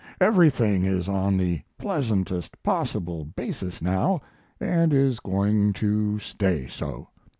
Everything is on the pleasantest possible basis now, and is going to stay so.